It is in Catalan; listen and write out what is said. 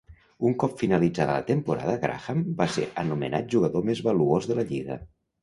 Un cop finalitzada la temporada, Graham va ser anomenat jugador més valuós de la lliga.